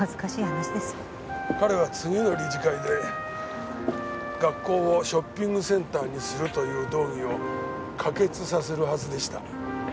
彼は次の理事会で学校をショッピングセンターにするという動議を可決させるはずでした。